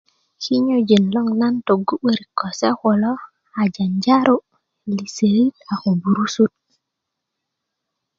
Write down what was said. kinyöjin loŋ nan tögu 'börik ko se kulo a janjaro liserit a ko burusut